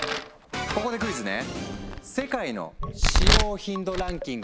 ここでクイズね。